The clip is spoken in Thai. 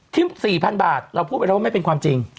๔๐๐๐บาทเราพูดไปแล้วว่าไม่เป็นความจริง